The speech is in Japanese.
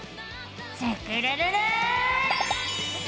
スクるるる！